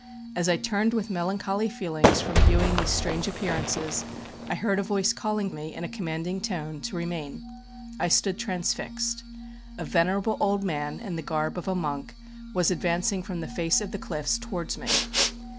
As I turned, with melancholy feelings, from viewing these str nge appearances, I heard a voice calling me, in a commanding tone, to remain. I stood transfixed. A venerable old man, in the garb of a monk, was advancing from the face of the cliffs towards me.